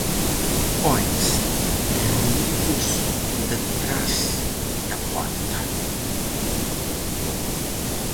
Óense ruídos detrás da porta.